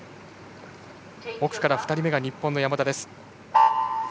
奥から２人目が日本の山田です。